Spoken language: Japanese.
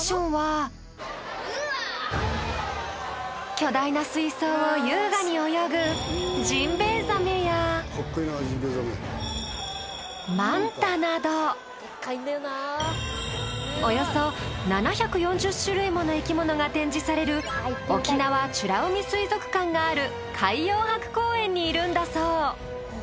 巨大な水槽を優雅に泳ぐジンベエザメやマンタなどおよそ７４０種類もの生き物が展示される沖縄美ら海水族館がある海洋博公園にいるんだそう。